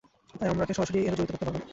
তাই আমরাকে সরাস্যরি এর জড়িত করতে পারব না।